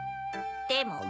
でも。